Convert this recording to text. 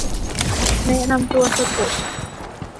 แนะนำตัวสะกด